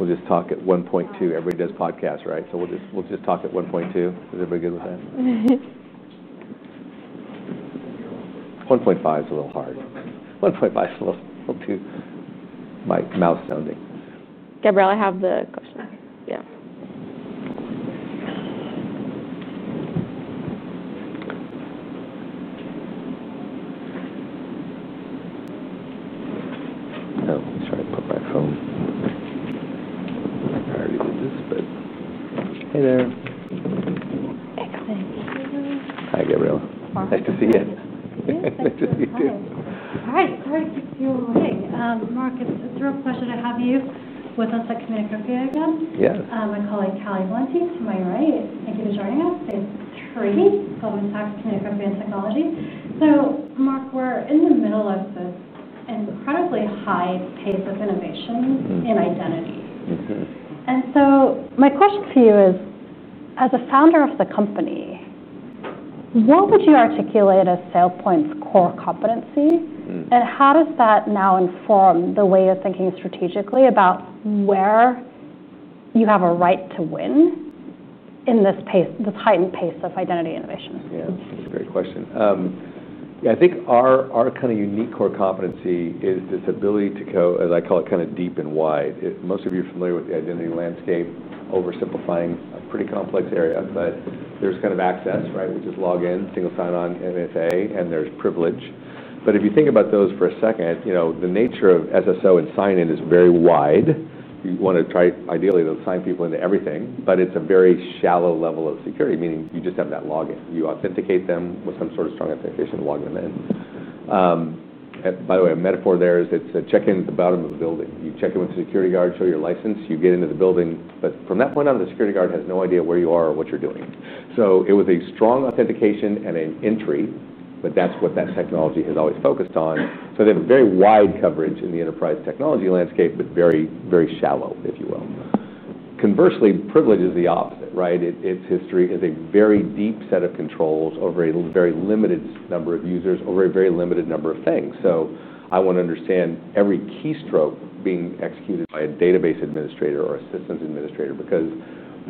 We'll just talk at 1.2. Everybody does podcasts, right? We'll just talk at 1.2. Is everybody good with that? 1.5 is a little hard. 1.5 is a little too mouth sounding. Gabriela, I have the question. Yeah, hey there. Hi. Hi, Gabriela. Nice to see you. Hi, good to see you. Hey, Mark, it's a true pleasure to have you with us at Communicorp here again. Yeah. My colleague Kelly Monty to my right. Thank you for joining us. It's great to be talking about Communicorp and technology. Mark, we're in the middle of an incredibly high pace of innovation and identity. It does. My question for you is, as a founder of the company, what would you articulate as SailPoint's core competency? How does that now inform the way you're thinking strategically about where you have a right to win in this pace, this heightened pace of identity innovation? Yeah, it's a great question. I think our kind of unique core competency is this ability to go, as I call it, kind of deep and wide. Most of you are familiar with the identity landscape, oversimplifying a pretty complex area, but there's kind of access, right? You just log in, single sign-on, MFA, and there's privilege. If you think about those for a second, the nature of SSO and sign-in is very wide. You want to try, ideally, to sign people into everything, but it's a very shallow level of security, meaning you just have that login. You authenticate them with some sort of strong authentication and log them in. By the way, a metaphor there is it's a check-in at the bottom of the building. You check in with the security guard, show your license, you get into the building, but from that point on, the security guard has no idea where you are or what you're doing. It was a strong authentication and an entry, but that's what that technology has always focused on. They have a very wide coverage in the enterprise technology landscape, but very, very shallow, if you will. Conversely, privilege is the opposite, right? Its history is a very deep set of controls over a very limited number of users, over a very limited number of things. I want to understand every keystroke being executed by a database administrator or a systems administrator because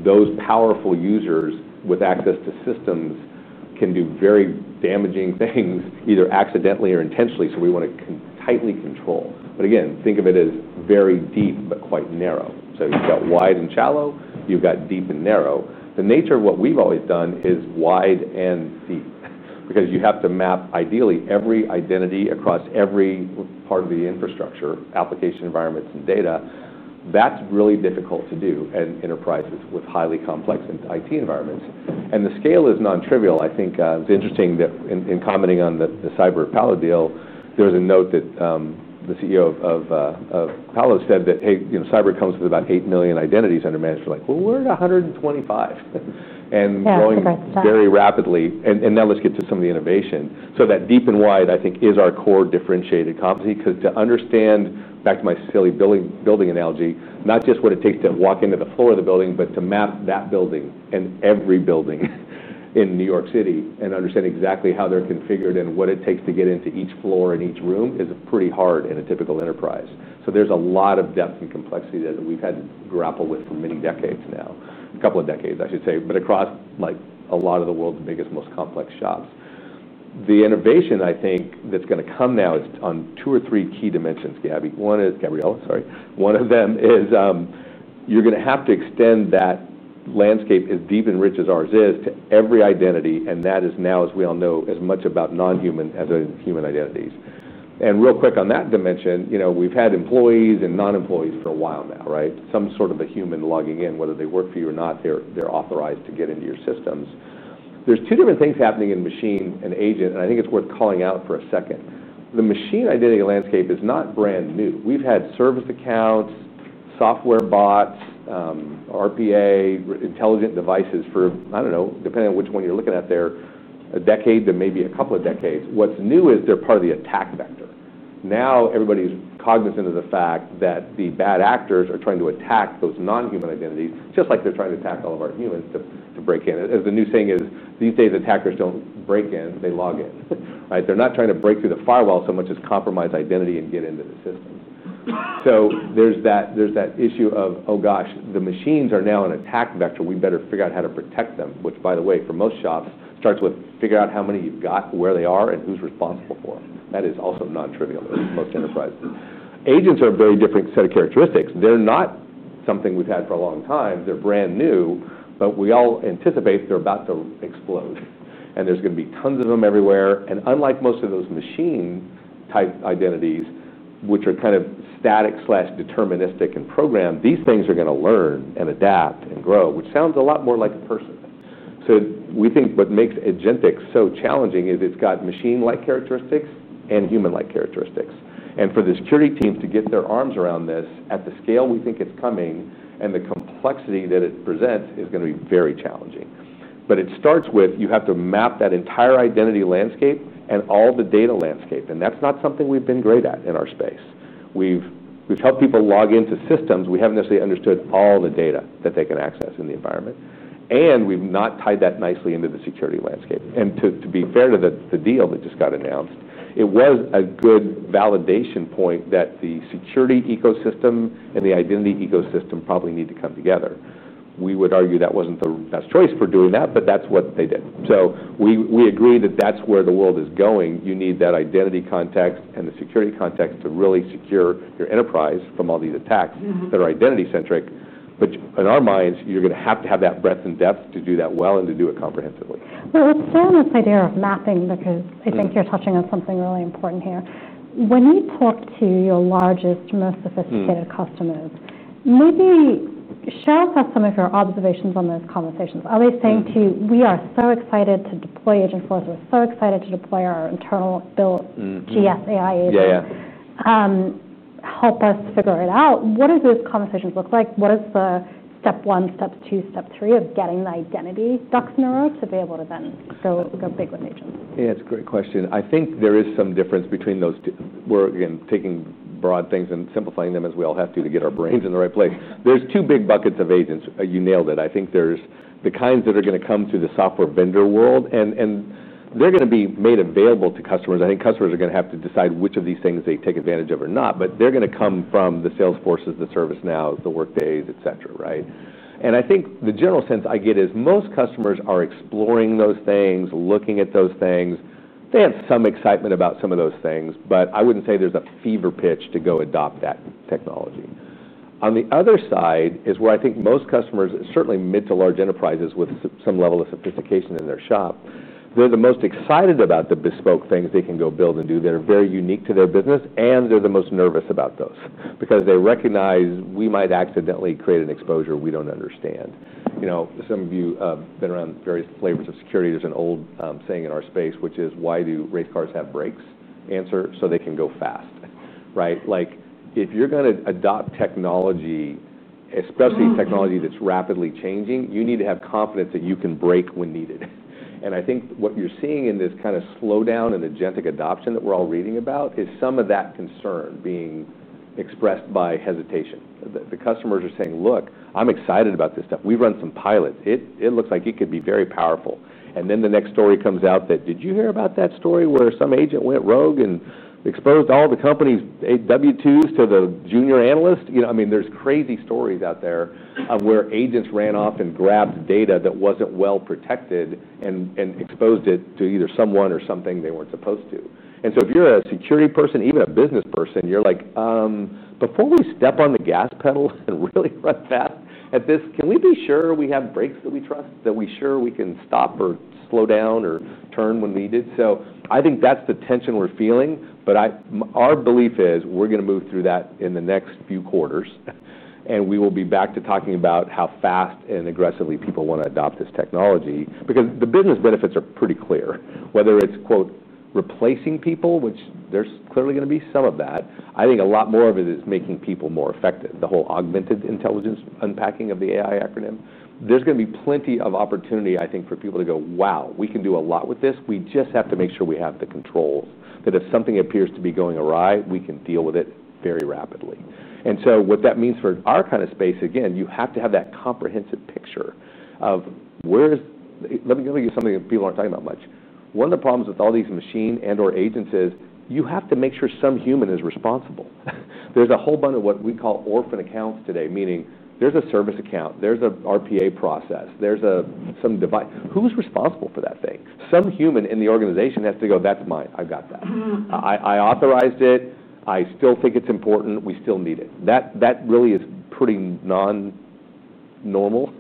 those powerful users with access to systems can do very damaging things, either accidentally or intentionally. We want to tightly control. Think of it as very deep but quite narrow. You've got wide and shallow, you've got deep and narrow. The nature of what we've always done is wide and deep because you have to map, ideally, every identity across every part of the infrastructure, application environments, and data. That's really difficult to do in enterprises with highly complex IT environments. The scale is non-trivial. I think it's interesting that in commenting on the cyber Apollo deal, there was a note that the CEO of Apollo said that, hey, you know, cyber comes with about 8 million identities under management. We're like, well, we're at 125 million and growing very rapidly. Now let's get to some of the innovation. That deep and wide, I think, is our core differentiated competency because to understand, back to my silly building analogy, not just what it takes to walk into the floor of the building, but to map that building and every building in New York City and understand exactly how they're configured and what it takes to get into each floor and each room is pretty hard in a typical enterprise. There's a lot of depth and complexity that we've had to grapple with for many decades now, a couple of decades, I should say, but across a lot of the world's biggest, most complex shops. The innovation, I think, that's going to come now is on two or three key dimensions, Gabby. One is, Gabriela, sorry. One of them is you're going to have to extend that landscape as deep and rich as ours is to every identity. That is now, as we all know, as much about non-human as human identities. Real quick on that dimension, we've had employees and non-employees for a while now, right? Some sort of a human logging in, whether they work for you or not, they're authorized to get into your systems. There are two different things happening in machine and agent. I think it's worth calling out for a second. The machine identity landscape is not brand new. We've had service accounts, software bots, RPA, intelligent devices for, I don't know, depending on which one you're looking at there, a decade to maybe a couple of decades. What's new is they're part of the attack vector. Now everybody's cognizant of the fact that the bad actors are trying to attack those non-human identities, just like they're trying to attack all of our humans to break in. As the new saying is these days, attackers don't break in, they log in, right? They're not trying to break through the firewall so much as compromise identity and get into the system. There's that issue of, oh gosh, the machines are now an attack vector. We better figure out how to protect them, which, by the way, for most shops starts with figuring out how many you've got, where they are, and who's responsible for them. That is also non-trivial in most enterprises. Agents are a very different set of characteristics. They're not something we've had for a long time. They're brand new, but we all anticipate they're about to explode. There's going to be tons of them everywhere. Unlike most of those machine-type identities, which are kind of static, deterministic, and programmed, these things are going to learn, adapt, and grow, which sounds a lot more like a person. We think what makes agentic so challenging is it's got machine-like characteristics and human-like characteristics. For the security teams to get their arms around this at the scale we think it's coming and the complexity that it presents is going to be very challenging. It starts with you have to map that entire identity landscape and all the data landscape. That's not something we've been great at in our space. We've helped people log into systems. We haven't necessarily understood all the data that they can access in the environment, and we've not tied that nicely into the security landscape. To be fair to the deal that just got announced, it was a good validation point that the security ecosystem and the identity ecosystem probably need to come together. We would argue that wasn't the best choice for doing that, but that's what they did. We agree that that's where the world is going. You need that identity context and the security context to really secure your enterprise from all these attacks that are identity-centric. In our minds, you're going to have to have that breadth and depth to do that well and to do it comprehensively. Let's stay on this idea of mapping because I think you're touching on something really important here. When you talk to your largest, most sophisticated customers, maybe share with us some of your observations on those conversations. Are they saying to you, we are so excited to deploy agent flows, we're so excited to deploy our internal built GS AI agent, help us figure it out? What do those conversations look like? What is the step one, step two, step three of getting the identity ducks in a row to be able to then go big with agents? Yeah, it's a great question. I think there is some difference between those two. We're again taking broad things and simplifying them as we all have to to get our brains in the right place. There are two big buckets of agents. You nailed it. I think there are the kinds that are going to come through the software vendor world, and they're going to be made available to customers. I think customers are going to have to decide which of these things they take advantage of or not, but they're going to come from the Salesforces, the ServiceNows, the Workdays, et cetera, right? I think the general sense I get is most customers are exploring those things, looking at those things. They have some excitement about some of those things, but I wouldn't say there's a fever pitch to go adopt that technology. On the other side is where I think most customers, certainly mid to large enterprises with some level of sophistication in their shop, are the most excited about the bespoke things they can go build and do that are very unique to their business, and they're the most nervous about those because they recognize we might accidentally create an exposure we don't understand. Some of you have been around various flavors of security. There's an old saying in our space, which is, why do race cars have brakes? Answer, so they can go fast, right? If you're going to adopt technology, especially technology that's rapidly changing, you need to have confidence that you can brake when needed. I think what you're seeing in this kind of slowdown in agentic adoption that we're all reading about is some of that concern being expressed by hesitation. The customers are saying, look, I'm excited about this stuff. We've run some pilots. It looks like it could be very powerful. The next story comes out that, did you hear about that story where some agent went rogue and exposed all the companies' W2s to the junior analyst? There are crazy stories out there of where agents ran off and grabbed data that wasn't well protected and exposed it to either someone or something they weren't supposed to. If you're a security person, even a business person, you're like, before we step on the gas pedal and really run fast at this, can we be sure we have brakes that we trust, that we're sure we can stop or slow down or turn when needed? I think that's the tension we're feeling, but our belief is we're going to move through that in the next few quarters, and we will be back to talking about how fast and aggressively people want to adopt this technology because the business benefits are pretty clear. Whether it's, quote, replacing people, which there's clearly going to be some of that, I think a lot more of it is making people more effective. The whole augmented intelligence unpacking of the AI acronym. There's going to be plenty of opportunity, I think, for people to go, wow, we can do a lot with this. We just have to make sure we have the controls that if something appears to be going awry, we can deal with it very rapidly. What that means for our kind of space, again, is you have to have that comprehensive picture of where's—let me tell you something that people aren't talking about much. One of the problems with all these machine and/or agents is you have to make sure some human is responsible. There's a whole bunch of what we call orphan accounts today, meaning there's a service account, there's an RPA process, there's some device. Who's responsible for that thing? Some human in the organization has to go, that's mine. I've got that. I authorized it. I still think it's important. We still need it. That really is pretty non-normal,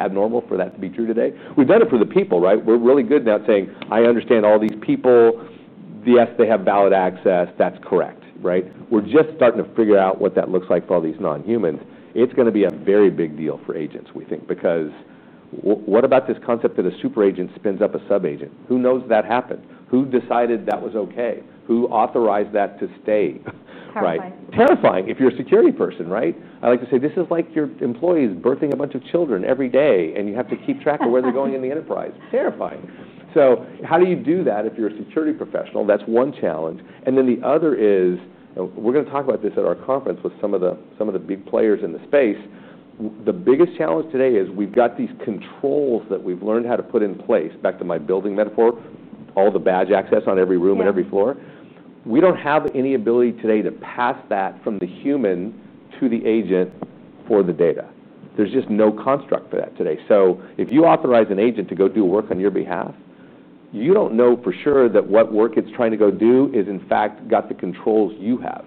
abnormal for that to be true today. We've done it for the people, right? We're really good now at saying, I understand all these people. Yes, they have valid access. That's correct, right? We're just starting to figure out what that looks like for all these non-humans. It's going to be a very big deal for agents, we think, because what about this concept that a super agent spins up a sub-agent? Who knows that happened? Who decided that was okay? Who authorized that to stay? Terrifying. If you're a security person, right? I like to say this is like your employees birthing a bunch of children every day, and you have to keep track of where they're going in the enterprise. Terrifying. How do you do that if you're a security professional? That's one challenge. The other is, we're going to talk about this at our conference with some of the big players in the space. The biggest challenge today is we've got these controls that we've learned how to put in place. Back to my building metaphor, all the badge access on every room and every floor. We don't have any ability today to pass that from the human to the agent or the data. There's just no construct for that today. If you authorize an agent to go do work on your behalf, you don't know for sure that what work it's trying to go do has the controls you have.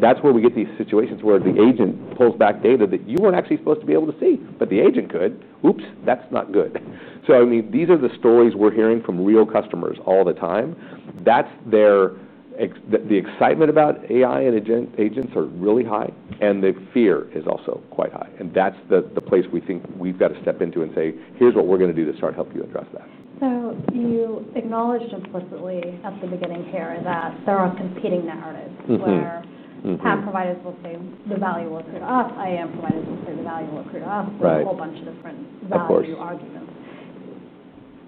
That's where we get these situations where the agent pulls back data that you weren't actually supposed to be able to see, but the agent could. Oops, that's not good. These are the stories we're hearing from real customers all the time. The excitement about AI and agents is really high, and the fear is also quite high. That's the place we think we've got to step into and say, here's what we're going to do to start helping you address that. You acknowledged explicitly at the beginning here that there are competing narratives where providers will say the value will accrue to us. IAM providers will say the value will accrue to us. There's a whole bunch of different values you argue against.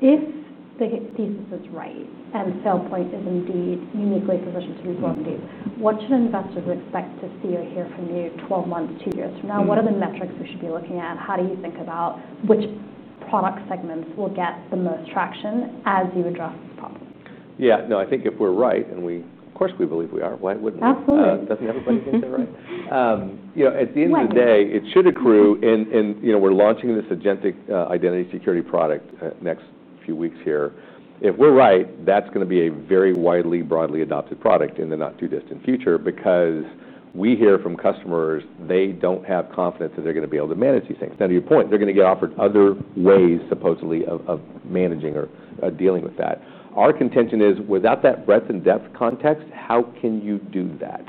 If the case is right and SailPoint is indeed uniquely positioned to be what we do, what should investors expect to see or hear from you 12 months, two years from now? What are the metrics we should be looking at? How do you think about which product segments will get the most traction as you address this problem? Yeah, no, I think if we're right, and we, of course, we believe we are, why wouldn't we? Absolutely. Doesn't everybody think they're right? At the end of the day, it should accrue, and we're launching this agentic identity security product next few weeks here. If we're right, that's going to be a very widely, broadly adopted product in the not-too-distant future because we hear from customers, they don't have confidence that they're going to be able to manage these things. To your point, they're going to get offered other ways, supposedly, of managing or dealing with that. Our contention is, without that breadth and depth context, how can you do that?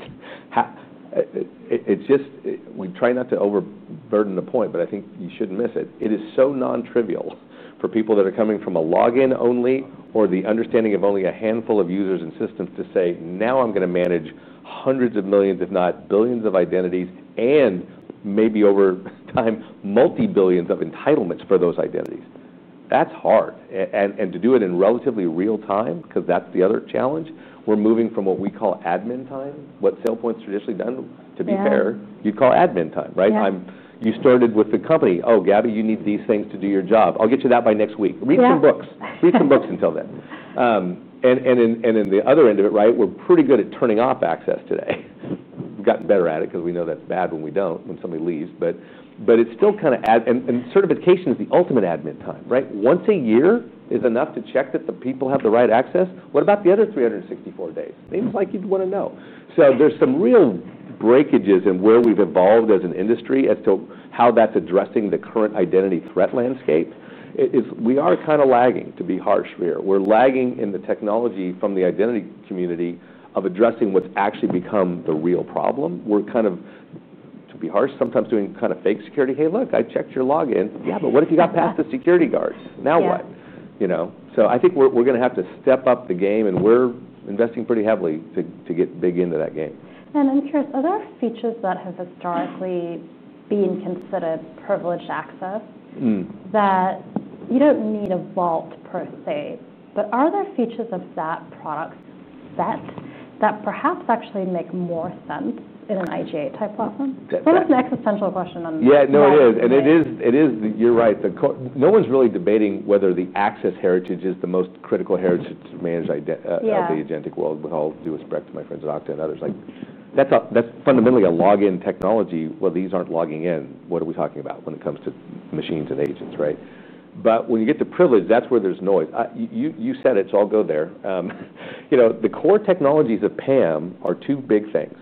We try not to overburden the point, but I think you shouldn't miss it. It is so non-trivial for people that are coming from a login only or the understanding of only a handful of users and systems to say, now I'm going to manage hundreds of millions, if not billions of identities, and maybe over time, multi-billions of entitlements for those identities. That's hard. To do it in relatively real time, because that's the other challenge, we're moving from what we call admin time, what SailPoint's traditionally done, to be fair, you'd call admin time, right? You started with the company, oh, Gabby, you need these things to do your job. I'll get you that by next week. Read some books. Read some books until then. The other end of it, we're pretty good at turning off access today. We've gotten better at it because we know that's bad when we don't, when somebody leaves, but it's still kind of, and certification is the ultimate admin time, right? Once a year is enough to check that the people have the right access. What about the other 364 days? Seems like you'd want to know. There's some real breakages in where we've evolved as an industry as to how that's addressing the current identity threat landscape. We are kind of lagging, to be harsh here. We're lagging in the technology from the identity community of addressing what's actually become the real problem. We're kind of, to be harsh, sometimes doing kind of fake security. Hey, look, I checked your login. Yeah, but what if you got past the security guard? Now what? I think we're going to have to step up the game, and we're investing pretty heavily to get big into that game. I'm curious, are there features that have historically been considered privileged access that you don't need a vault per se, but are there features of SaaS products that perhaps actually make more sense in an IGA type platform? That's an existential question on the market. Yeah, no, it is. It is, you're right. No one's really debating whether the access heritage is the most critical heritage to manage the agentic world, with all due respect to my friends at Okta and others. That's fundamentally a login technology. These aren't logging in. What are we talking about when it comes to machines and agents, right? When you get to privilege, that's where there's noise. You said it, so I'll go there. The core technologies of PAM are two big things: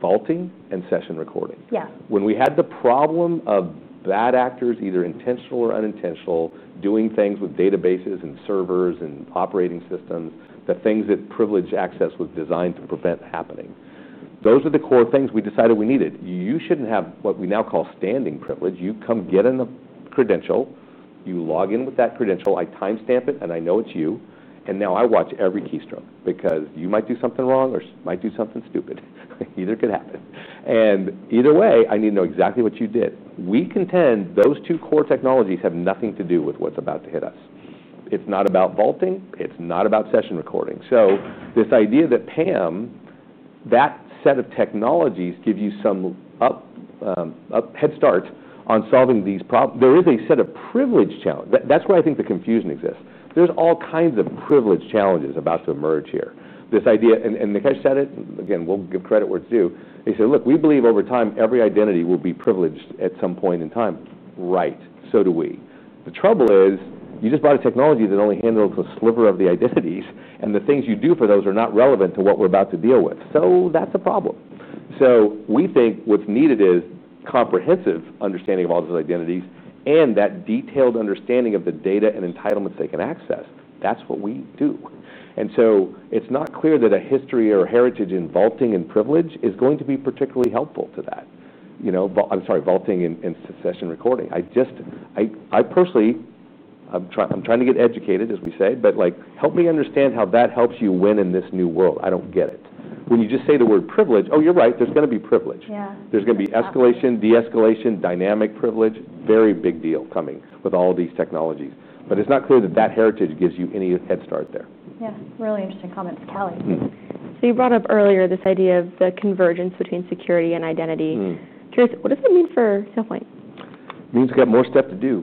vaulting and session recording. Yeah. When we had the problem of bad actors, either intentional or unintentional, doing things with databases and servers and operating systems, the things that privileged access was designed to prevent happening, those are the core things we decided we needed. You shouldn't have what we now call standing privilege. You come get a credential, you log in with that credential, I timestamp it, and I know it's you. Now I watch every keystroke because you might do something wrong or might do something stupid. Either could happen, and either way, I need to know exactly what you did. We contend those two core technologies have nothing to do with what's about to hit us. It's not about vaulting. It's not about session recording. This idea that PAM, that set of technologies, gives you some head starts on solving these problems. There is a set of privilege challenges. That's where I think the confusion exists. There are all kinds of privilege challenges about to emerge here. This idea, and Nikesh said it, again, we'll give credit where it's due. He said, look, we believe over time every identity will be privileged at some point in time. Right, so do we. The trouble is you just bought a technology that only handles a sliver of the identities, and the things you do for those are not relevant to what we're about to deal with. That's a problem. We think what's needed is a comprehensive understanding of all those identities and that detailed understanding of the data and entitlements they can access. That's what we do. It's not clear that a history or heritage in vaulting and privilege is going to be particularly helpful to that. You know, I'm sorry, vaulting and session recording. I just, I personally, I'm trying to get educated, as we say, but like, help me understand how that helps you win in this new world. I don't get it. When you just say the word privilege, oh, you're right, there's going to be privilege. Yeah. There's going to be escalation, de-escalation, dynamic privilege, very big deal coming with all these technologies. It is not clear that that heritage gives you any head start there. Yeah, really interesting comments, Kelly. You brought up earlier this idea of the convergence between security and identity. Curious, what does that mean for SailPoint? It means we've got more stuff to do.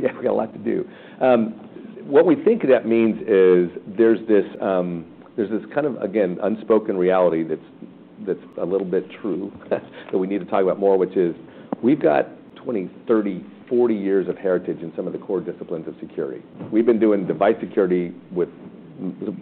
Yeah, we've got a lot to do. What we think that means is there's this kind of, again, unspoken reality that's a little bit true that we need to talk about more, which is we've got 20, 30, 40 years of heritage in some of the core disciplines of security. We've been doing device security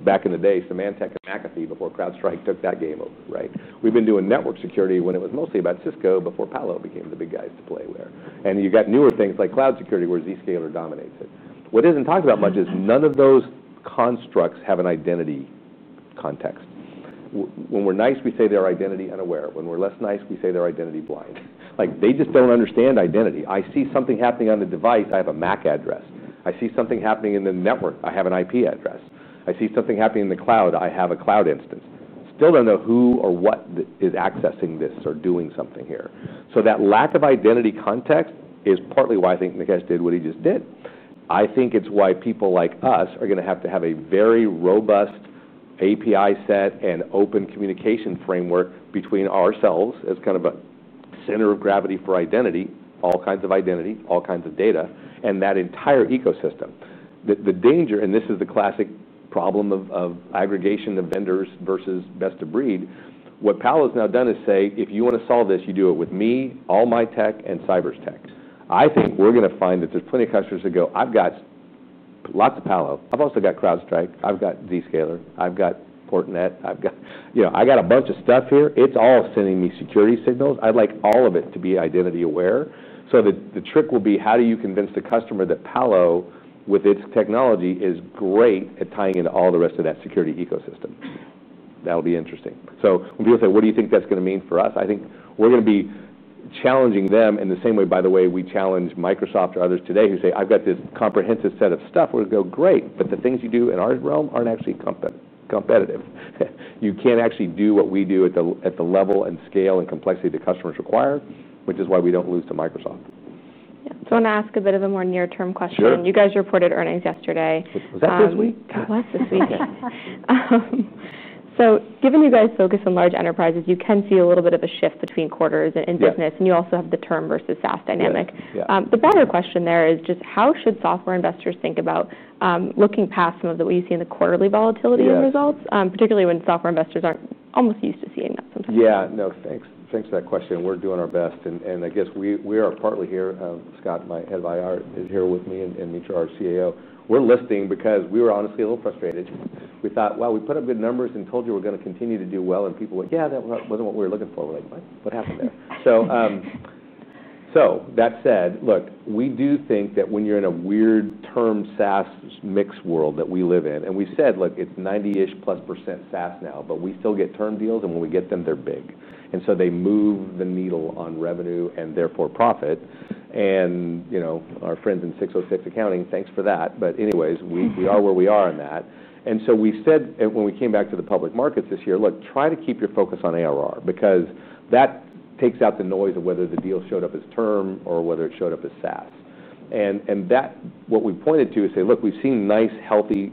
back in the day, Symantec and McAfee before CrowdStrike took that game over, right? We've been doing network security when it was mostly about Cisco before Palo became the big guys to play with. You've got newer things like cloud security where Zscaler dominates it. What isn't talked about much is none of those constructs have an identity context. When we're nice, we say they're identity unaware. When we're less nice, we say they're identity blind. They just don't understand identity. I see something happening on the device, I have a MAC address. I see something happening in the network, I have an IP address. I see something happening in the cloud, I have a cloud instance. Still don't know who or what is accessing this or doing something here. That lack of identity context is partly why I think Nikesh did what he just did. I think it's why people like us are going to have to have a very robust API set and open communication framework between ourselves as kind of a center of gravity for identity, all kinds of identity, all kinds of data, and that entire ecosystem. The danger, and this is the classic problem of aggregation of vendors versus best of breed. What Palo's now done is say, if you want to solve this, you do it with me, all my tech, and Cyber's tech. I think we're going to find that there's plenty of customers that go, I've got lots of Palo. I've also got CrowdStrike. I've got Zscaler. I've got Portnet. I've got, you know, I got a bunch of stuff here. It's all sending me security signals. I'd like all of it to be identity aware. The trick will be, how do you convince the customer that Palo, with its technology, is great at tying into all the rest of that security ecosystem? That'll be interesting. We'll be able to say, what do you think that's going to mean for us? I think we're going to be challenging them in the same way, by the way, we challenge Microsoft or others today who say, I've got this comprehensive set of stuff. We're going to go, great, but the things you do in our realm aren't actually competitive. You can't actually do what we do at the level and scale and complexity the customers require, which is why we don't lose to Microsoft. Yeah, I want to ask a bit of a more near-term question. You guys reported earnings yesterday. Was that this week? That was this week. Given you guys' focus on large enterprises, you can see a little bit of a shift between quarters and business, and you also have the term versus SaaS dynamic. The broader question there is just how should software investors think about looking past some of the way you see in the quarterly volatility of results, particularly when software investors aren't almost used to seeing that sometimes? Yeah, no, thanks for that question. We're doing our best. I guess we are partly here, Scott, my Head of IR, is here with me, and Mitra, our CEO. We're listing because we were honestly a little frustrated. We thought, wow, we put up good numbers and told you we're going to continue to do well, and people went, yeah, that wasn't what we were looking for. We're like, what happened there? That said, look, we do think that when you're in a weird term SaaS mix world that we live in, and we said, look, it's 90-ish plus % SaaS now, but we still get term deals, and when we get them, they're big. They move the needle on revenue and therefore profit. You know, our friends in 606 Accounting, thanks for that. Anyways, we are where we are in that. We said, when we came back to the public markets this year, look, try to keep your focus on ARR because that takes out the noise of whether the deal showed up as term or whether it showed up as SaaS. What we pointed to is say, look, we've seen nice, healthy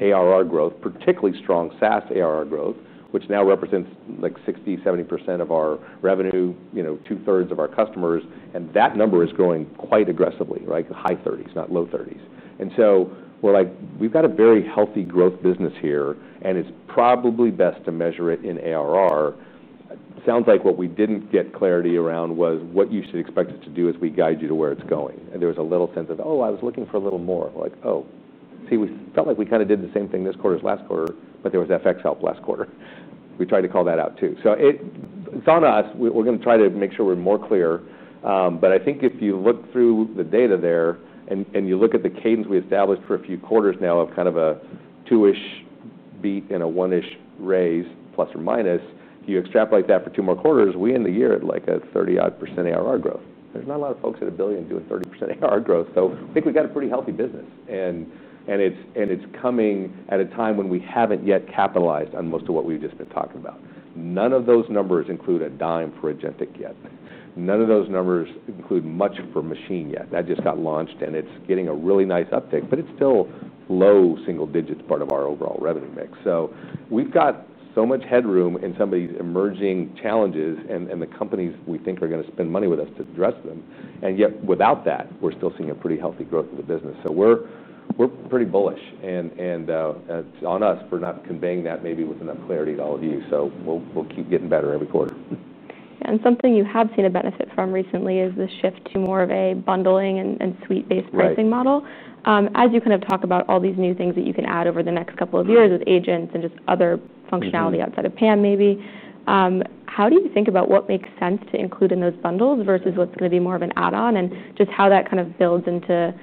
ARR growth, particularly strong SaaS ARR growth, which now represents like 60, 70% of our revenue, you know, two-thirds of our customers. That number is growing quite aggressively, like high 30s, not low 30s. We're like, we've got a very healthy growth business here, and it's probably best to measure it in ARR. Sounds like what we didn't get clarity around was what you should expect us to do as we guide you to where it's going. There was a little sense of, oh, I was looking for a little more. We're like, oh, see, we felt like we kind of did the same thing this quarter as last quarter, but there was FX help last quarter. We tried to call that out too. It's on us. We're going to try to make sure we're more clear. I think if you look through the data there and you look at the cadence we established for a few quarters now of kind of a two-ish beat and a one-ish raise, plus or minus, if you extrapolate that for two more quarters, we end the year at like a 30-odd % ARR growth. There's not a lot of folks at a billion doing 30% ARR growth. I think we've got a pretty healthy business. It's coming at a time when we haven't yet capitalized on most of what we've just been talking about. None of those numbers include a dime for agentic yet. None of those numbers include much for machine yet. That just got launched, and it's getting a really nice uptake, but it's still low single digits part of our overall revenue mix. We've got so much headroom in some of these emerging challenges and the companies we think are going to spend money with us to address them. Yet without that, we're still seeing a pretty healthy growth in the business. We're pretty bullish. It's on us. We're not conveying that maybe with enough clarity to all of you. We'll keep getting better every quarter. Something you have seen a benefit from recently is the shift to more of a bundling and suite-based pricing model. As you talk about all these new things that you can add over the next couple of years with agents and just other functionality outside of PAM maybe, how do you think about what makes sense to include in those bundles versus what's going to be more of an add-on and just how that builds into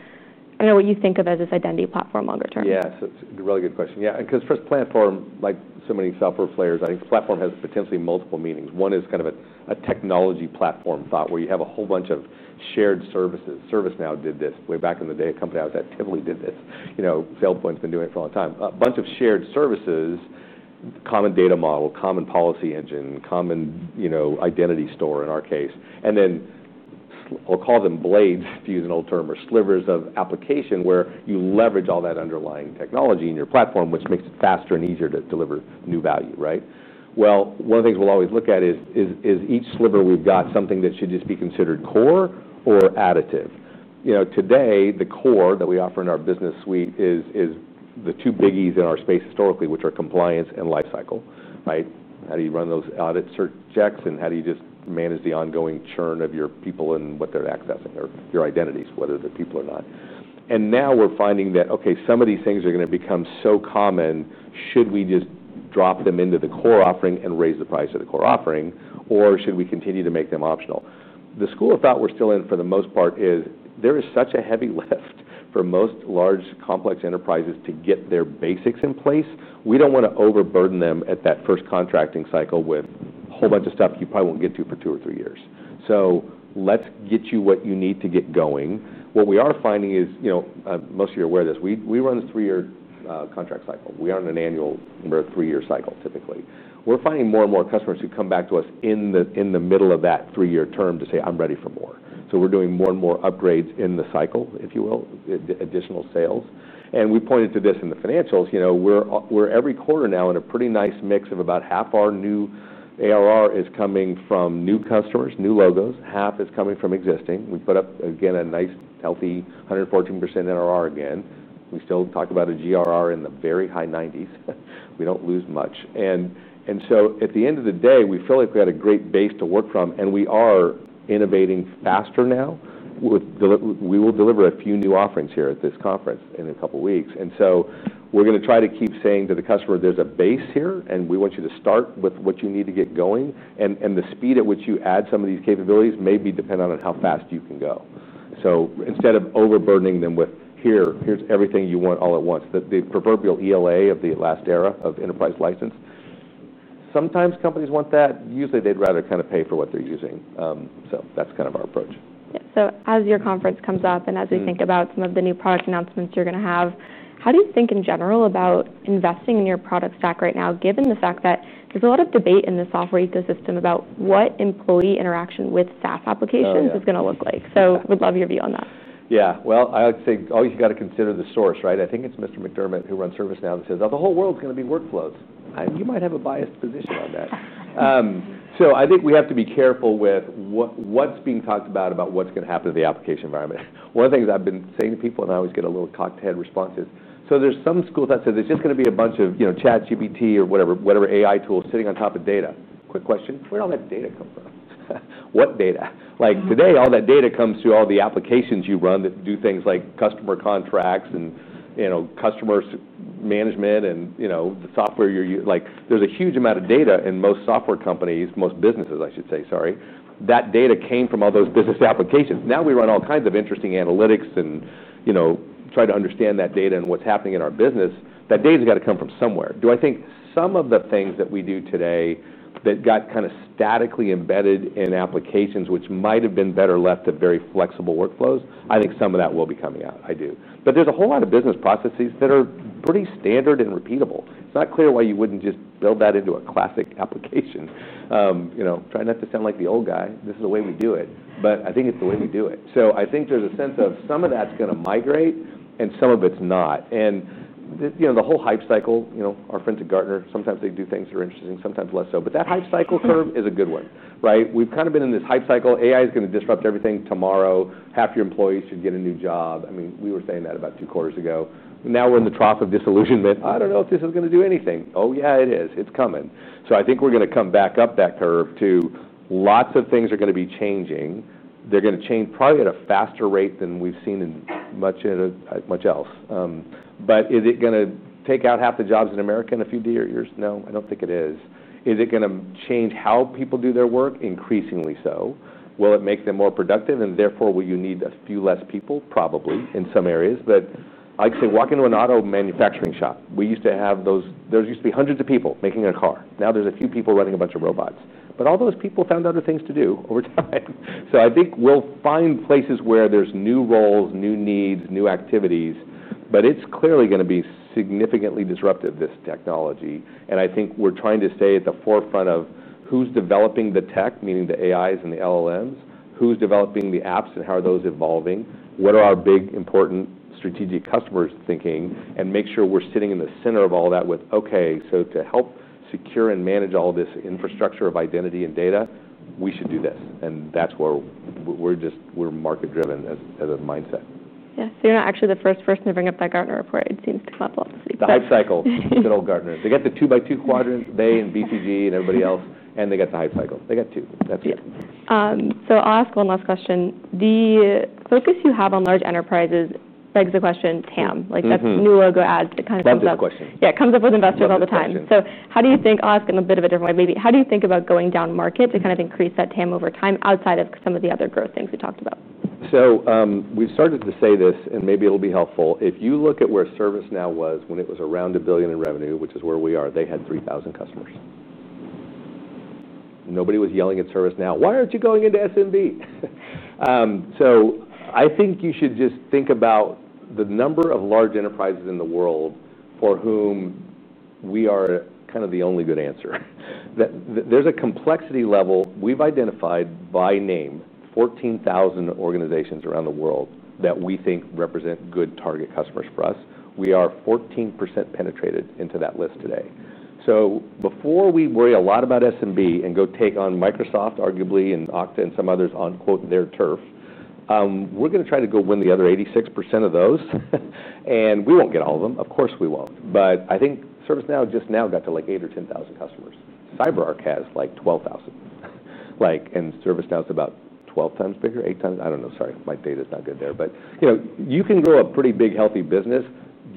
what you think of as this identity platform longer term? Yeah, so it's a really good question. Because first, platform, like so many software players, I think platform has potentially multiple meanings. One is kind of a technology platform thought where you have a whole bunch of shared services. ServiceNow did this way back in the day. A company out with that, Tivoli did this. You know, SailPoint's been doing it for a long time. A bunch of shared services, common data model, common policy engine, common, you know, identity store in our case. I'll call them blades, to use an old term, or slivers of application where you leverage all that underlying technology in your platform, which makes it faster and easier to deliver new value, right? One of the things we'll always look at is each sliver we've got something that should just be considered core or additive. Today the core that we offer in our business suite is the two biggies in our space historically, which are compliance and lifecycle. Right? How do you run those audits or checks? How do you just manage the ongoing churn of your people and what they're accessing or your identities, whether they're people or not? Now we're finding that, okay, some of these things are going to become so common. Should we just drop them into the core offering and raise the price of the core offering? Should we continue to make them optional? The school of thought we're still in for the most part is there is such a heavy lift for most large complex enterprises to get their basics in place. We don't want to overburden them at that first contracting cycle with a whole bunch of stuff you probably won't get to for two or three years. Let's get you what you need to get going. What we are finding is, you know, most of you are aware of this, we run a three-year contract cycle. We aren't in an annual or three-year cycle typically. We're finding more and more customers who come back to us in the middle of that three-year term to say, I'm ready for more. We're doing more and more upgrades in the cycle, if you will, additional sales. We pointed to this in the financials. We're every quarter now in a pretty nice mix of about half our new ARR is coming from new customers, new logos. Half is coming from existing. We put up again a nice, healthy 114% NRR again. We still talk about a GRR in the very high 90s. We don't lose much. At the end of the day, we feel like we had a great base to work from. We are innovating faster now. We will deliver a few new offerings here at this conference in a couple of weeks. We are going to try to keep saying to the customer, there's a base here, and we want you to start with what you need to get going. The speed at which you add some of these capabilities may be dependent on how fast you can go. Instead of overburdening them with, here, here's everything you want all at once, the proverbial ELA of the last era of enterprise license, sometimes companies want that. Usually, they'd rather kind of pay for what they're using. That's kind of our approach. As your conference comes up and as we think about some of the new product announcements you're going to have, how do you think in general about investing in your product stack right now, given the fact that there's a lot of debate in the software ecosystem about what employee interaction with SaaS applications is going to look like? We'd love your view on that. Yeah, I like to say, oh, you've got to consider the source, right? I think it's Mr. McDermott who runs ServiceNow that says, oh, the whole world's going to be workflows. You might have a biased position on that. I think we have to be careful with what's being talked about about what's going to happen to the application environment. One of the things I've been saying to people, and I always get a little cocked head response, is there's some school that says it's just going to be a bunch of, you know, ChatGPT or whatever, whatever AI tool sitting on top of data. Quick question, where did all that data come from? What data? Like today, all that data comes through all the applications you run that do things like customer contracts and, you know, customer management and, you know, the software you're using. There's a huge amount of data in most software companies, most businesses, I should say, sorry, that data came from all those business applications. Now we run all kinds of interesting analytics and try to understand that data and what's happening in our business. That data's got to come from somewhere. Do I think some of the things that we do today that got kind of statically embedded in applications, which might have been better left at very flexible workflows? I think some of that will be coming out. I do. There's a whole lot of business processes that are pretty standard and repeatable. It's not clear why you wouldn't just build that into a classic application. I try not to sound like the old guy. This is the way we do it. I think it's the way we do it. I think there's a sense of some of that's going to migrate and some of it's not. The whole hype cycle, you know, our friends at Gartner, sometimes they do things that are interesting, sometimes less so. That hype cycle curve is a good one, right? We've kind of been in this hype cycle. AI is going to disrupt everything tomorrow. Half your employees should get a new job. I mean, we were saying that about two quarters ago. Now we're in the trough of disillusionment. I don't know if this is going to do anything. Oh yeah, it is. It's coming. I think we're going to come back up that curve to lots of things are going to be changing. They're going to change probably at a faster rate than we've seen in much else. Is it going to take out half the jobs in America in a few years? No, I don't think it is. Is it going to change how people do their work? Increasingly so. Will it make them more productive? And therefore, will you need a few less people? Probably in some areas. I'd say walk into an auto manufacturing shop. We used to have those, there used to be hundreds of people making a car. Now there's a few people running a bunch of robots. All those people found other things to do over time. I think we'll find places where there's new roles, new needs, new activities. It's clearly going to be significantly disruptive, this technology. I think we're trying to stay at the forefront of who's developing the tech, meaning the AIs and the LLMs, who's developing the apps and how are those evolving, what are our big, important strategic customers thinking, and make sure we're sitting in the center of all that with, okay, to help secure and manage all this infrastructure of identity and data, we should do this. That's where we're just, we're market-driven as a mindset. Yeah, you're not actually the first person to bring up that Gartner report. It seems to cross a lot of the seats. The hype cycle. It's an old Gartner. They have the two by two quadrants, they and BCG and everybody else, and they have the hype cycle. They have two. That's it. Yeah. I'll ask one last question. The focus you have on large enterprises begs the question, TAM. Like that's new logo ads that kind of comes up. That's the question. Yeah, it comes up with investors all the time. How do you think, I'll ask in a bit of a different way, maybe how do you think about going down market to kind of increase that TAM over time outside of some of the other growth things we talked about? We've started to say this, and maybe it'll be helpful. If you look at where ServiceNow was when it was around $1 billion in revenue, which is where we are, they had 3,000 customers. Nobody was yelling at ServiceNow, why aren't you going into SMB? I think you should just think about the number of large enterprises in the world for whom we are kind of the only good answer. There's a complexity level. We've identified by name 14,000 organizations around the world that we think represent good target customers for us. We are 14% penetrated into that list today. Before we worry a lot about SMB and go take on Microsoft, arguably, and Okta and some others on quote their turf, we're going to try to go win the other 86% of those. We won't get all of them. Of course we won't. I think ServiceNow just now got to like 8,000 or 10,000 customers. CyberArk has like 12,000. ServiceNow is about 12 times bigger, 8 times, I don't know, sorry, my data's not good there. You can grow a pretty big, healthy business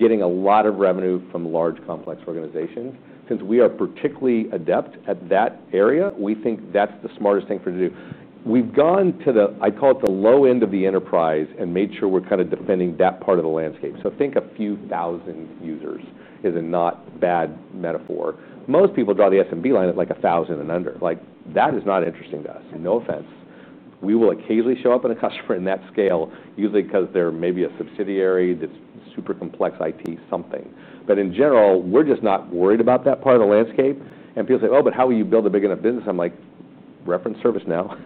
getting a lot of revenue from large complex organizations. Since we are particularly adept at that area, we think that's the smartest thing for you to do. We've gone to the, I call it the low end of the enterprise and made sure we're kind of defending that part of the landscape. Think a few thousand users is a not bad metaphor. Most people draw the SMB line as like 1,000 and under. That is not interesting to us. No offense. We will occasionally show up in a customer in that scale, usually because they're maybe a subsidiary that's super complex IT something. In general, we're just not worried about that part of the landscape. People say, oh, but how will you build a big enough business? Reference ServiceNow.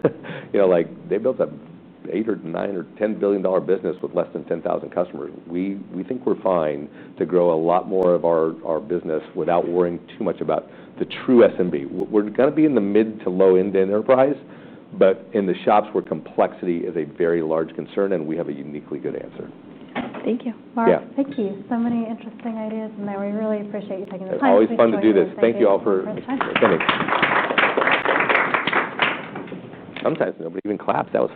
They built an $800 million, $900 million, $10 billion business with less than 10,000 customers. We think we're fine to grow a lot more of our business without worrying too much about the true SMB. We're going to be in the mid to low-end enterprise, but in the shops where complexity is a very large concern, and we have a uniquely good answer. Thank you, Mark. Thank you. So many interesting ideas, and we really appreciate you taking the time to talk to us. It's always fun to do this. Thank you all for listening. Thank you. Sometimes nobody even claps after.